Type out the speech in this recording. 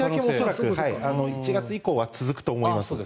１月以降は続くと思います。